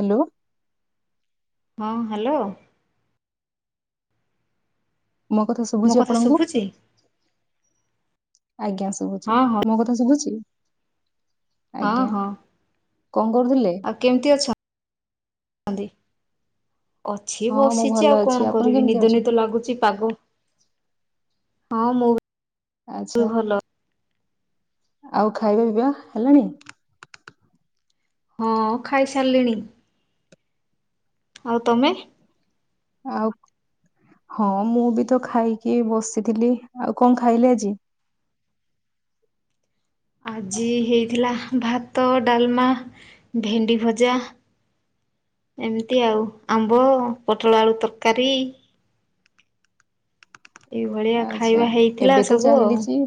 Hello. ହଁ hello. ମୋ କଥା ଶୁଭୁଛି ଆପଣଙ୍କୁ? ଆଜ୍ଞା ଶୁଭୁଚି ହଁ ହଁ ମୋ କଥା ଶୁଭୁଚି। ହଁ ହଁ କରୁଥିଲେ? ଆଉ କେମିତି ଅଛନ୍ତି? ଅଛି ହଁ ମୁଁ ବସିଛି ଭଲ ଆଉ ଅଛି। କଣ ଆପଣ କରିବି କେମିତି ନିଦ ଅଛନ୍ତି? ନିଦ ଲାଗୁଛି ପାଗ ହଁ ମୁଁ ବି ଆଚ୍ଛା ଭଲ। ଆଉ ଖାଇବା ପିଇବା ହେଲାଣି? ହଁ ଖାଇ ସାରିଲିଣି। ଆଉ ତମେ? ଆଉ ହଁ ମୁଁ ବି ତ ଖାଇକି ଏ ବସିଥିଲି ଆଉ କଣ ଖାଇଲେ ଆଜି? ଆଜି ହେଇଥିଲା ଭାତ ଡାଲ୍ମା ଭେଣ୍ଡି ଭଜା। ଏମିତି ଆଉ ଆମ୍ବ ପୋଟଳ ଆଳୁ ତରକାରୀ। ଏଇଭଳିଆ ଆଚ୍ଛା ଖାଇବା ହେଇଥିଲା ଏବେ ତ ସବୁ ଆଉ। ଚାଲିଚି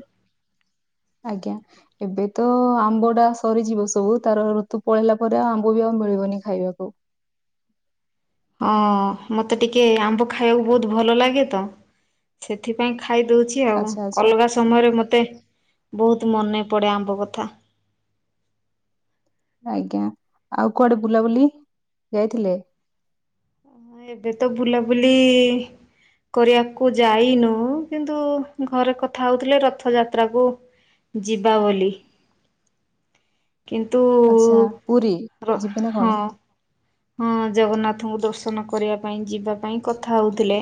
ଆଜ୍ଞା। ଏବେ ତ ଆମ୍ବ ଟା ସରିଯିବ ସବୁ ତାର ଋତୁ ପଳେଇଲା ପରେ ଆଉ ଆମ୍ବ ବି ଆଉ ମିଳିବନି ଖାଇବାକୁ। ହଁ ମତେ ଟିକେ ଆମ୍ବ ଖାଇବାକୁ ବହୁତ୍ ଭଲ ଲାଗେ ତ। ସେଥିପାଇଁ ଖାଇ ଦଉଛି ଆଉ ଆଚ୍ଛା ଆଚ୍ଛା ଅଲଗା ସ ସମୟରେ ମୋତେ ବହୁତ୍ ମନେ ପଡ଼େ ଆମ୍ବ କଥା। ଆଜ୍ଞା ଆଉ କୁଆଡେ ବୁଲାବୁଲି ଯାଇଥିଲେ? ଏବେ ତ ବୁଲାବୁଲି କରିବାକୁ ଯାଇନୁ କିନ୍ତୁ ଘରେ କଥା ହଉଥିଲେ ରଥ ଯାତ୍ରାକୁ ଯିବା ବୋଲି। କିନ୍ତୁ ଆଚ୍ଛା ପୁରୀ ର ଯିବେ ନା ହଁ କଣ? ହଁ ଜଗନ୍ନାଥଙ୍କୁ ଦର୍ଶନ କରିବା ପାଇଁ ଯିବା। ପାଇଁ କଥା ହଉଥିଲେ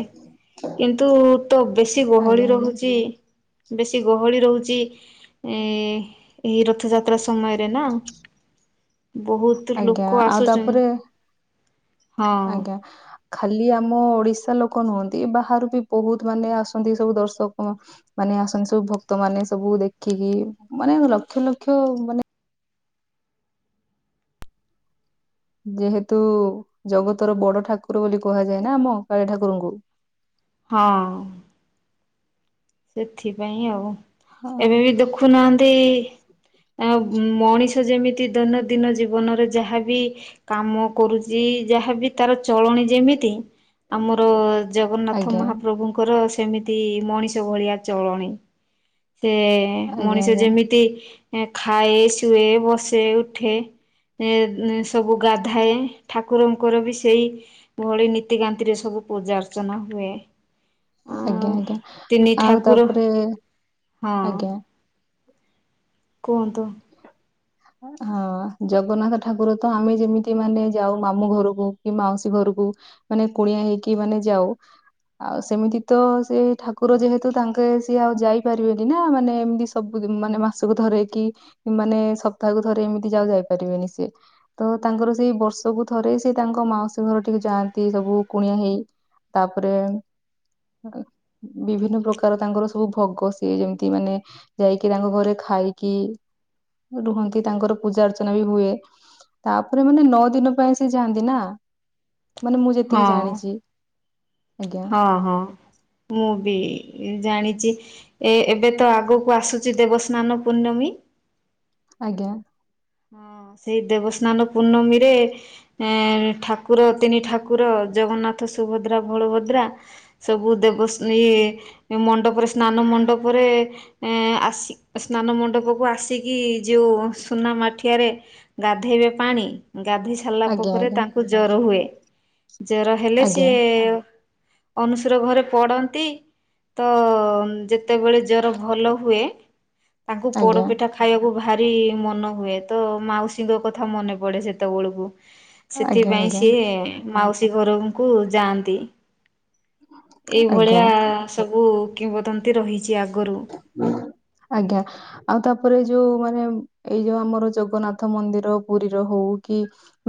କିନ୍ତୁ ତୋ ବେଶୀ ଆଜ୍ଞା ଗହଳି ଆଜ୍ଞା। ରହୁଛି। ବେଶୀ ଗହଳି ରହୁଚି ଏ ଏହି ରଥଯାତ୍ରା ସମୟରେ ନା। ବହୁତ ଲୋକ ଆଜ୍ଞା ଆଉ ଆସୁଛନ୍ତି। ତାପରେ ହଁ ଆଜ୍ଞା। ଖାଲି ଆମ ଓଡିଶା ଲୋକ ନୁହଁନ୍ତି ବାହାରୁ ବି ବହୁତ୍ ମାନେ ଆସନ୍ତି ସବୁ ଦର୍ଶକ। ମାନେ ଆସନ୍ତି ସବୁ ଭକ୍ତ ମାନେ ସବୁ ଦେଖିକି ମାନେ ଲକ୍ଷ ଲକ୍ଷ ମାନେ ଯେହେତୁ ଜଗତର ବଡ ଠାକୁର ବୋଲି କୁହାଯାଏ ନା ଆମ କାଳିଆ ଠାକୁରଙ୍କୁ। ହଁ। ସେଥିପାଇଁ ଆଉ ହଁ ଏବେ ବି ଦେଖୁ ନାହାଁନ୍ତି ଆ ମଣିଷ ଯେମିତି ଦୈନନ୍ଦିନ ଜୀବନରେ ଯାହାବି କାମ କରୁଛି ଯାହା ବି ତାର ଚଳଣି ଯେମିତି ଆମର ଜଗନ୍ନାଥ ଆଜ୍ଞା ମହାପ୍ରଭୁଙ୍କର ସେମିତି ମଣିଷ ଯଉ ଭଳିଆ ଚଳଣି ସେ ଆଜ୍ଞା ମଣିଷ ଆଜ୍ଞା ଯେମିତି ଏ ଖାଏ ଶୁଏ ବସେ ଉଠେ ଏ ସବୁ ଗାଧାଏ ଠାକୁରଙ୍କର ବି ସେଇ ଭଳି ନୀତିକାନ୍ତି ରେ ସବୁ ପୂଜା ଅର୍ଚ୍ଚନା ହୁଏ। ଆଜ୍ଞା ଆଜ୍ଞା। ତିନି ଆଉ ଠାକୁର ତାପରେ ହଁ ଆଜ୍ଞା। କୁହନ୍ତୁ? ହଁ ଜଗନ୍ନାଥ ଠାକୁର ତ ଆମେ ଯେମିତି ମାନେ ଯାଉ ମାମୁଁ ଘରକୁ କି ମାଉସୀ ଘରକୁ ମାନେ କୁଣିଆଁ ହେଇକି ମାନେ ଯାଉ। ଆଉ ସେମିତି ତ ସେ ଠାକୁର ଯେହେତୁ ତାଙ୍କେ ସିଏ ଆଉ ଯାଇପାରିବେନି ନା ମାନେ ଏମିତି ସ ସବୁ ଦିନ ମାନେ ମାସକୁ ଥରେ କି ମାନେ ସପ୍ତାହକୁ ଥରେ ଏମିତି ସିଏ ଯାଇପାରିବେନି ସିଏ। ତ ତାଙ୍କର ସେଇ ବର୍ଷକୁ ଥରେ ସେ ତାଙ୍କ ମାଉସୀ ଘର ଠିକି ଯାଆନ୍ତି ସବୁ କୁଣିଆ ହେଇ। ତାପରେ ଉଁ। ବିଭିନ୍ନ ପ୍ରକାର ତାଙ୍କର ସବୁ ଭୋଗ ସିଏ ଯେମିତି ମାନେ ଯାଇକି ତାଙ୍କ ଘରେ ଖାଇକି ରୁହ କି ତାଙ୍କର ପୂଜା ଅର୍ଚ୍ଚନା ବି ହୁଏ ତାପରେ ମାନେ ନଅ ଦିନ ପାଇଁ ସେ ଯାଆନ୍ତି ନା? ମାନେ ମୁଁ ଯେତିକି ହଁ ଜାଣିଛି ଆଜ୍ଞା। ହଁ ହଁ। ମୁଁ ବି ଜାଣିଛି ଏ ଏବେ ତ ଆଗକୁ ଆସୁଛି ଦେବସ୍ନାନ ପୂର୍ଣ୍ଣମୀ। ଆଜ୍ଞା। ହଁ ସେଇ ଦେବସ୍ନାନ ପୂର୍ଣ୍ଣମୀରେ ଏ ଠାକୁର ତିନି ଠାକୁର ଜଗନ୍ନାଥ ସୁଭଦ୍ରା ବଳଭଦ୍ରା। ସବୁ ଦେବ ଇଏ ମଣ୍ଡପରେ ସ୍ନାନ ମଣ୍ଡପରେ ଏ ଆସି ସ୍ନାନ ମଣ୍ଡପ କୁ ଆସିକି ଯୋଉ ସୁନା ମାଟି କଠିଆରେ ଗାଧେଇବେ ପାଣି ଗାଧେଇ ସାରିଲା ଆଜ୍ଞା ପରେ ଆଜ୍ଞା ତାଙ୍କୁ ଜ୍ଵର ହୁଏ। ଜ୍ଵର ହେଲେ ଆଜ୍ଞା ସିଏ ଅନୁସର ଘରେ ପଡନ୍ତି। ତ ଯେତେବେଳେ ଜ୍ଵର ଭଲ ହୁଏ। ତାଙ୍କୁ ଆଜ୍ଞା। ପୋଡପିଠା ଖାଇବାକୁ ଭାରି ମନ ହୁଏ। ତ ମାଉସୀଙ୍କ କଥା ମନେ ପଡ଼େ ସେତେବେଳକୁ ଆଜ୍ଞା ସେଥିପାଇଁ ଆଜ୍ଞା ସିଏ ମାଉସୀ ଘରଙ୍କୁ ଯାଆନ୍ତି। ଆଜ୍ଞା ଏଇଭଳିଆ ସବୁ କିମ୍ବଦନ୍ତୀ ରହିଛି ଆଗରୁ ଆଜ୍ଞା। ଆଉ ତାପରେ ଯୋଉ ମାନେ ଏଇ ଯୋଉ ଆମର ଜଗନ୍ନାଥ ମନ୍ଦିର ପୁରୀର ହଉ କି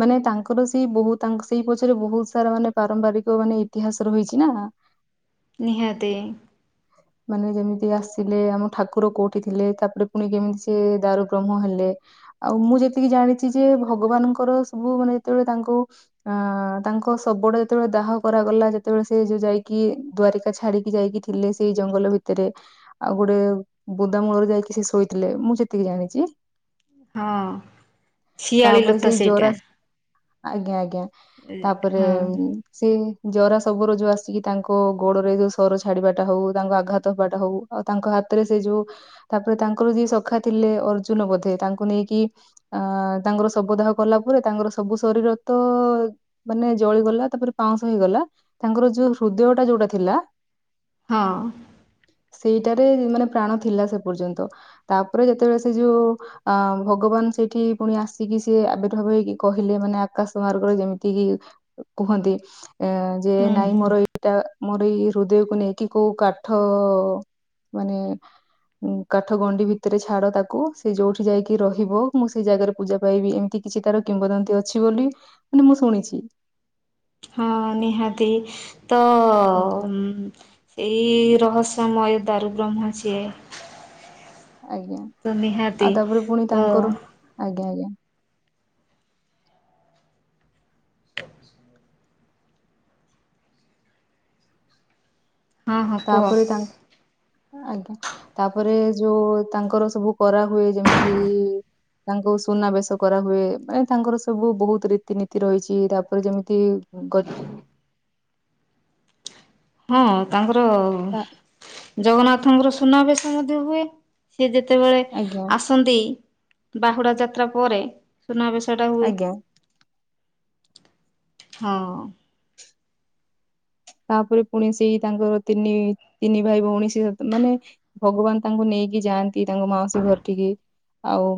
ମାନେ ତାଙ୍କର ସେଇ ବହୁ ତାଙ୍କ ସେଇ ପଛରେ ବହୁତ ସାରା ମାନେ ପାରମ୍ପରିକ ମାନେ ଇତିହାସ ରହିଛି ନା [unintelligible] ନିହାତି। ମାନେ ଯେମିତି ସେ ଆସିଲେ ଆମ ଠାକୁର କୋଉଠି ଥିଲେ ତାପରେ ପୁଣି କେମିତି ସିଏ ଦାରୁ ବ୍ରହ୍ମ ହେଲେ। ଆଉ ମୁଁ ଯେତିକି ଜାଣିଛି ଯେ ଭଗବାନଙ୍କର ସବୁ ମାନେ ଯେତେବେଳେ ତାଙ୍କୁ ଅ ତାଙ୍କ ଶବ ଟା ଯେତେବେଳେ ଦାହ କରାଗଲା ଯେତେବେଳେ ସେ ଯୋଉ ଯାଇକି ଦ୍ୱାରିକା ଛାଡିକି ଯାଇକି ଥିଲେ ସେଇ ଜଙ୍ଗଲ ଭିତରେ ଆଉ ଗୋଟେ ବୁଦାମୂଳରେ ଯାଇକି ସେ ଶୋଇଥିଲେ। ମୁଁ ସେତିକି ଜାଣିଛି। ହଁ ଶିଆଳି ତାପରେ ଲତା ସେଇ ଜରା ସେଇଟା। ଆଜ୍ଞା ଆଜ୍ଞା ତାପରେ ହଁ ସେଇ ଜରା ସବର ଯୋଉ ଆସିକି ତାଙ୍କ ଗୋଡରେ ଯୋଉ ସର ଛାଡିବାଟା ହଉ ତାଙ୍କ ଆଘାତ ହବାଟା ହଉ, ଆଉ ତାଙ୍କ ହାତରେ ସେ ଯୋଉ ତାପରେ ତାଙ୍କର ଯିଏ ସଖା ଥିଲେ ଅର୍ଜୁନ ବୋଧେ ତାଙ୍କୁ ନେଇକି ଅ ତାଙ୍କର ଶବଦାହ କଲା ପରେ ତାଙ୍କର ସବୁ ଶରୀର ତ ମାନେ ଜଳିଗଲା ତାପରେ ପାଉଁଶ ହେଇଗଲା। ତାଙ୍କର ଯୋଉ ହୃଦୟ ଟା ଯୋଉଟା ଥିଲା। ହଁ। ସେଇଟାରେ ମାନେ ପ୍ରାଣ ଥିଲା ସେ ପର୍ଯ୍ୟନ୍ତ। ତାପରେ ଯେତେବେଳେ ସେ ଯୋଉ ଅ ଭଗବାନ ସେଇଠି ପୁଣି ଆସିକି ସେ ଆବିର୍ଭାବ ହେଇକି କହିଲେ ମାନେ ଆକାଶ ମାର୍ଗରେ ଯେମିତି କିି କୁହନ୍ତି ଏ ଯେ ହୁଁ ନାଇଁ ହୁଁ। ମୋର ଏଇଟା ମୋର ଏଇ ହୃଦୟକୁ ନେଇକି କୋଉ କାଠ ମାନେ କାଠ ଗଣ୍ଡି ଭିତରେ ଛାଡ ତାକୁ ସେ ଯୋଉଠି ଯାଇକି ରହିବ ମୁଁ ସେଇ ଜାଗାରେ ପୂଜା ପାଇବି ଏମିତି। କିଛି ତାର କିମ୍ବଦନ୍ତୀ ଅଛି ବୋଲି ମାନେ ମୁଁ ଶୁଣିଛି। ହଁ ନିହାତି ତ ଆଜ୍ଞା ଏଇ ରହସ୍ୟମୟ ଦାରୁ ବ୍ରହ୍ମ ସିଏ। ଆଜ୍ଞା। ତ ନିହାତି ଆଉ ତାପରେ ପୁଣି ତ ତାଙ୍କର ଆଜ୍ଞା ଆଜ୍ଞା। [unintelligible] ହଁ ହଁ କୁହ। ତାପରେ ତାଙ୍କ ଆଜ୍ଞା। ତାପରେ ଯୋଉ ତାଙ୍କର ସବୁ କରା ହୁଏ ଯେମିତି ତାଙ୍କୁ ସୁନାବେଶ କରାହୁଏ ମାନେ ତାଙ୍କର ସବୁ ବହୁତ ରୀତିନୀତି ରହିଛି ତାପରେ ଯେମିତି ଗତ [inaudible] ହଁ ତାଙ୍କର ତା ଜଗନ୍ନାଥଙ୍କର ସୁନାବେଶ ମଧ୍ୟ ହୁଏ। ସିଏ ଯେତେବେଳେ ଆଜ୍ଞା ଆସନ୍ତି ବାହୁଡା ଯାତ୍ରା ପରେ ସୁନାବେସ ଟା ହୁଏ। ଆଜ୍ଞା ହଁ ତା'ପରେ ପୁଣି ସେଇ ତାଙ୍କର ତିନି, ତିନି ଭାଇ ଭଉଣୀ, ସିଏ ସେତେ ମାନେ ଭଗବାନ ତାଙ୍କୁ ନେଇକି ଯାଆନ୍ତି ତାଙ୍କ ମାଉସୀ ଘର ଠିକି। ଆଉ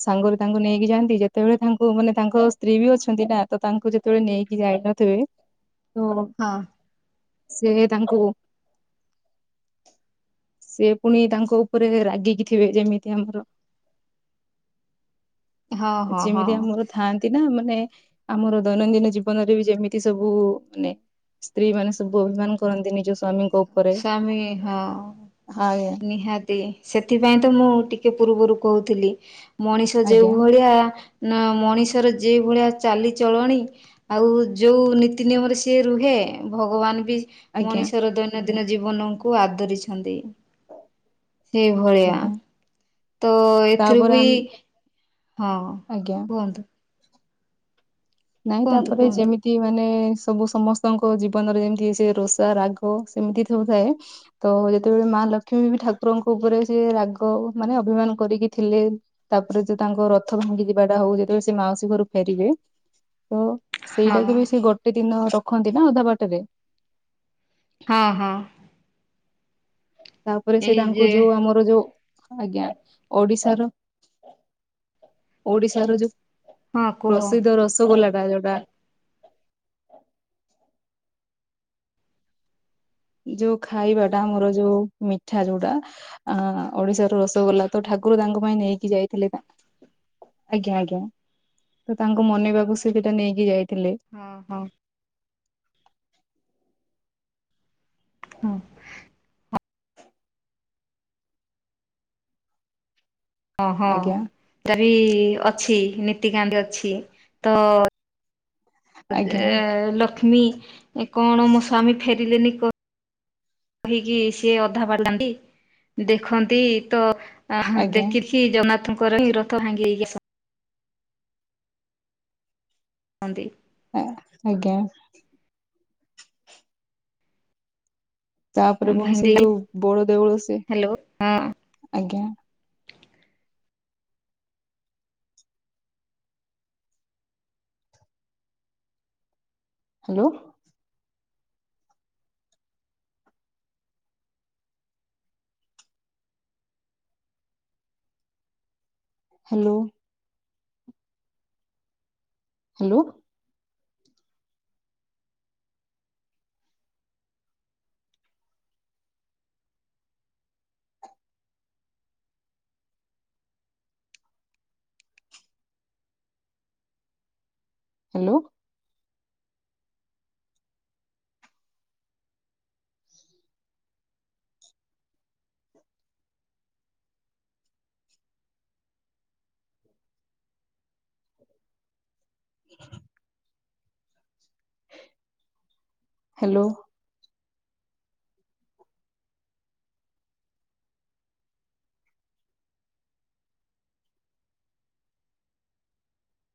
ସାଙ୍ଗରେ ତାଙ୍କୁ ନେଇକି ଯାଆନ୍ତି। ଯେତେବେଳେ ତାଙ୍କୁ ମାନେ ତାଙ୍କ ସ୍ତ୍ରୀ ବି ଅଛନ୍ତି, ନା ତ ତାଙ୍କୁ ଯେତେବେଳେ ନେଇକି ଯାଇ ନ ଥିବେ, ତୋ ହଁ। ସେ ତାଙ୍କୁ ସିଏ ପୁଣି ତାଙ୍କ ଉପରେ ରାଗିକି ଥିବେ। ଯେମିତି ଆମର ହଁ ହଁ ହଁ ଯେମିତି ଆମର ଥ ଥାଆନ୍ତି ନା, ମାନେ ଆମର ଦୈନନ୍ଦିନ ଜୀବନରେ ବି ଯେମିତି ସବୁ ମାନେ ସ୍ତ୍ରୀ ମାନେ ସବୁ ଅଭିମାନ କରନ୍ତି, ନିଜ ସ୍ଵାମୀ ସ୍ଵାମୀ ହଁ, ଆଜ୍ଞା ନିହାତି ସେଥିପାଇଁ ତ ମୁଁ ଟିକେ ପୂର୍ବରୁ କହୁଥିଲି, ମଣିଷ ଆଜ୍ଞା ଯେଉଭଳିଆ ନା, ମଣିଷର ଯେଭଳିଆ ଚାଲିଚଳଣି ଆଉ, ଯୋଉ ନୀତି ନିୟମରେ ସିଏ ରୁହେ, ଭଗବାନ ବି ଆଜ୍ଞା ମଣିଷର ଦୈନନ୍ଦିନ ଜୀବନଙ୍କୁ ଆଦରିଛନ୍ତି। ସେଇଭଳିଆ ଆଜ୍ଞା ତ ଏଥିରୁ ତାପରେ ବି, ଆମେ ହଁ। ଆଜ୍ଞା। କୁହନ୍ତୁ। ନାଇଁ, କୁହନ୍ତୁ ତା'ପରେ କୁହନ୍ତୁ। ଯେମି ତି ମାନେ ସବୁ ସମସ୍ତଙ୍କ ଜୀବନରେ ଯେମିତି ସେ ରୋଷା ରାଗ ସେମିତି ସବୁ ଥାଏ। ତ ଯେତେବେଳେ ମାଁ ଲକ୍ଷ୍ମୀ ବି ଠାକୁରଙ୍କ ଉପରେ ସେ ରାଗ, ମାନେ ଅଭିମାନ କରିକି ଥିଲେ। ତା'ପରେ ଯୋଉ ତାଙ୍କ ରଥ ଭାଙ୍ଗି ଯିବାଟା ହଉ, ଯେତେବେଳେ ସେ ମାଉସୀ ଘରୁ ଫେରିବେ ତ ହଁ ସେଇଟାକୁ ବି ସେ ଗୋଟେ ଦିନ ରଖନ୍ତି ନା, ଅଧା ବାଟରେ- ହଁ, ହଁ। ତା'ପରେ ସେ ଏଇ ତାଙ୍କୁ ଯେ ଯୋଉ, ଆମର ଯୋଉ ଆଜ୍ଞା, ଓଡିଶାର! ଓଡିଶାର ଯୋଉ ହଁ କୁହ ପ୍ରସିଦ୍ଧ ରସଗୋଲା ଟା ଯୋଉଟା ଯୋଉ ଖାଇବାଟା, ଆମର ଯୋଉ ମିଠା ଯୋଉଟା ଆଁ ଓଡ଼ିଶାର ରସଗୋଲା ତ ଠାକୁର ତାଙ୍କ ପାଇଁ ନେଇକି ଯାଇଥିଲେ, ତା ଆଜ୍ଞା, ଆଜ୍ଞା, ତ ତାଙ୍କୁ ମନେଇବାକୁ ସେ ସେଟା ନେଇକି ଯାଇଥିଲେ ହଁ, ହଁ। ହଁ। ଅହଁ, ଆଜ୍ଞା ତାର ବି ଅଛି ନୀତିକାନ୍ତି ଅଛି, ତ ଯେ ଆଜ୍ଞା ଲକ୍ଷ୍ମୀ, କଣ ମୋ ସ୍ବାମୀ ଫେରିଲେନି? କହିକି ସିଏ ଅଧା [unintelligible] ଦେଖନ୍ତି ତ ଆହା ଆଜ୍ଞା ଦେଖିକି ଜନ୍ନାଥଙ୍କର ହିଁ ରଥ ଭାଙ୍ଗି ହେଇକି ସ ହଁନ୍ତି। ହଁ ଆଜ୍ଞା। ତା'ପରେ ପୁଣି ଭାଙ୍ଗି ସେ ଦେଇକି ଯୋଉ, ବଡ଼ ଦେଉଳ ସେ, ହ୍ୟାଲୋ ହଁ ଆଜ୍ଞା। Hello. Hello. Hello. Hello. Hello.